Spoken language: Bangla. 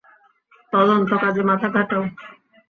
তদন্তকাজে মাথা ঘাঁটাও।